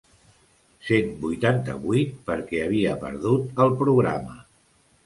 Cent vuitanta-vuit perquè havia perdut el programa.